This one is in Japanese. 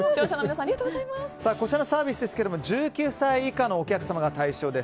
こちらのサービスは１９歳以下のお客様が対象です。